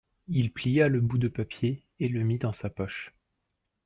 il plia le bout de papier et le mit dans sa poche.